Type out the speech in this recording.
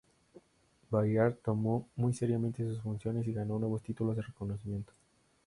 Bayard tomó muy seriamente sus funciones y ganó nuevos títulos de reconocimiento.